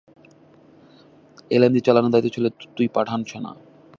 LMG চালনার দায়িত্বে ছিলেন দুই পাঠান সেনা।